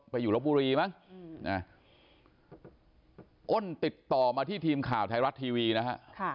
อยู่ลบบุรีมั้งอ้นติดต่อมาที่ทีมข่าวไทยรัฐทีวีนะฮะ